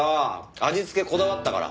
味付けこだわったから。